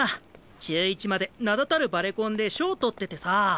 中１まで名だたるバレコンで賞取ってってさぁ。